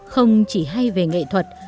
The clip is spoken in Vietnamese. không chỉ hay về nghệ thuật